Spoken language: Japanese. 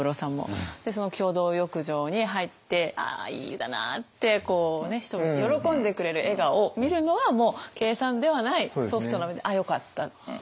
その共同浴場に入って「ああいい湯だな」ってこう人が喜んでくれる笑顔を見るのはもう計算ではないソフトな面であよかったって。